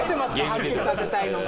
はっきりさせたいのが。